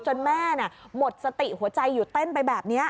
แม่หมดสติหัวใจอยู่เต้นไปแบบนี้